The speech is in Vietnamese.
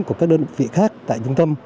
của các đơn vị khác tại trung tâm